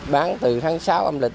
bán từ tháng sáu âm lịch